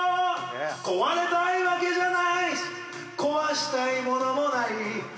壊れたいわけじゃないし壊したいものもない